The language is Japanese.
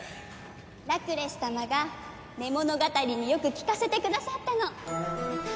ラクレス様が寝物語によく聞かせてくださったの。